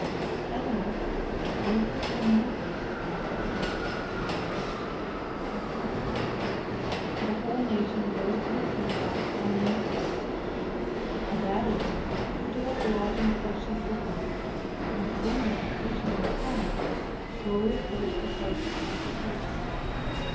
At length one of those low murmurs, that are so apt to disturb a multitude, was heard, and the whole nation arose to their feet by a common impulse. At that instant the door of the lodge in question opened, and three men, issuing from it, slowly approached the place of consultation.